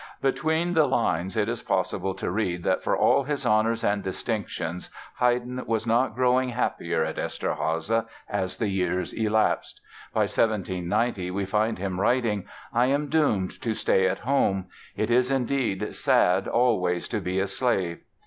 Between the lines it is possible to read that for all his honors and distinctions Haydn was not growing happier at Eszterháza as the years elapsed. By 1790 we find him writing: "I am doomed to stay at home. It is indeed sad always to be a slave."